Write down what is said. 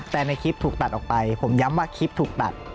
แต่ในคลิปถูกตัดออกไปผมย้ำว่าคลิปถูกตัด